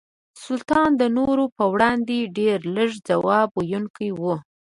سلطان د نورو په وړاندې ډېر لږ ځواب ویونکي وو.